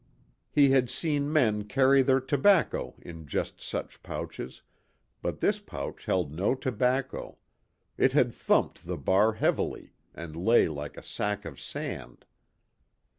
He had seen men carry their tobacco in just such pouches, but this pouch held no tobacco, it had thumped the bar heavily and lay like a sack of sand.